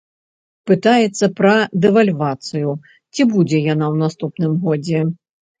Пытаецца пра дэвальвацыю, ці будзе яна ў наступным годзе?